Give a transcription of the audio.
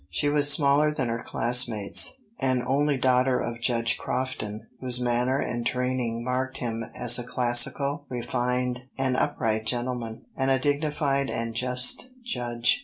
She was smaller than her classmates, an only daughter of Judge Crofton, whose manner and training marked him as a classical, refined, and upright gentleman, and a dignified and just judge.